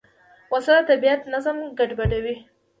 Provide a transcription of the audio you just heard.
وسله د طبیعت نظم ګډوډوي